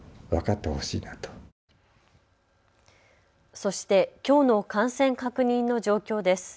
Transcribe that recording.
そして、きょうの感染確認の状況です。